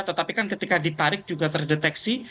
tetapi kan ketika ditarik juga terdeteksi